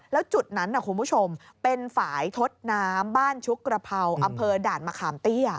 แล้วจุดนั้นคุณผู้ชมเป็นฝ่ายทดน้ำบ้านชุกกระเภาอำเภอด่านมะขามเตี้ย